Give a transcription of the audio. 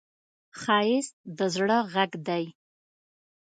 ښایست د زړه غږ دی